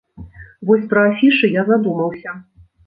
Вось пра афішы я задумаўся.